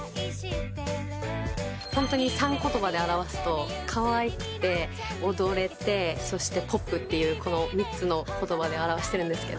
ホントに３言葉で表すとかわいくて踊れてそしてポップというこの３つの言葉で表してるんですけど。